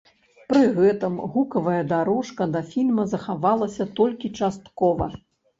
Пры гэтым гукавая дарожка да фільма захавалася толькі часткова.